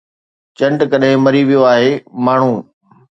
چنڊ ڪڏهن مري ويو آهي، ماڻهو؟